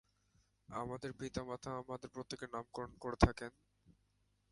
আমাদের পিতা-মাতা আমাদের প্রত্যেকের নামকরণ করে থাকেন।